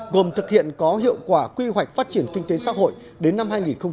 gồm thực hiện có hiệu quả quy hoạch phát triển kinh tế xã hội đến năm hai nghìn ba mươi